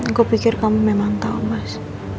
gue pikir kamu memang tau mas